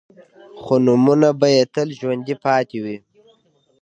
خو نومونه به يې تل ژوندي پاتې وي.